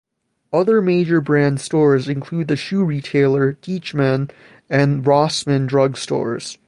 Other major brand stores include the shoe retailer Deichmann and Rossmann drugstores.